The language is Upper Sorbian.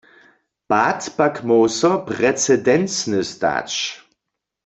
Pad pak móhł so precedencny stać.